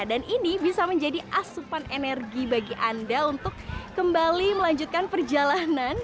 dan ini bisa menjadi asupan energi bagi anda untuk kembali melanjutkan perjalanan